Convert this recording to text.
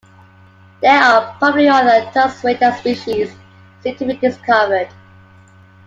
There are probably other tusked weta species still to be discovered.